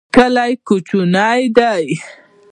کلی کوچنی دی.